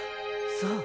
そう。